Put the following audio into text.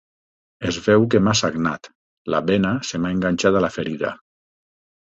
Es veu que m'ha sagnat: la bena se m'ha enganxat a la ferida.